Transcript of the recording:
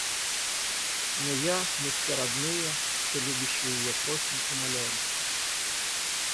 Но я, мы все родные, все любящие ее просим, умоляем тебя.